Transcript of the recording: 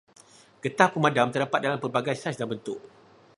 Getah pemadam terdapat dalam pelbagai saiz dan bentuk.